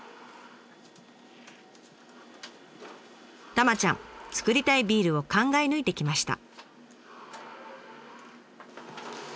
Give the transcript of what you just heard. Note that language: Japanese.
たまちゃんつくりたいビールを考え抜いてきました。